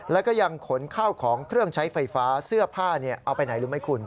แล้วก็ยังขนข้าวของเครื่องใช้ไฟฟ้าเสื้อผ้าเอาไปไหนรู้ไหมคุณ